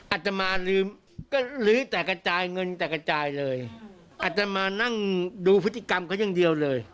อาจจะมาลืมก็ลื้อแต่กระจายเงินแต่กระจายเลยอาจจะมานั่งดูพฤติกรรมเขาอย่างเดียวเลย